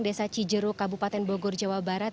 desa cijeruk kabupaten bogor jawa barat